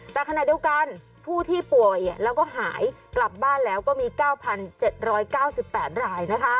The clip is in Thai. แต่ขณะเดียวกันผู้ที่ป่วยแล้วก็หายกลับบ้านแล้วก็มี๙๗๙๘ราย